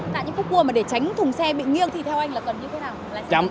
tại những khúc cua mà để tránh thùng xe bị nghiêng thì theo anh là cần như thế nào